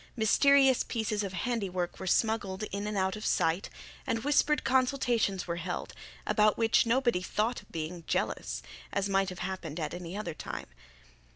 Mysterious pieces of handiwork were smuggled in and out of sight, and whispered consultations were held, about which nobody thought of being jealous, as might have happened at any other time.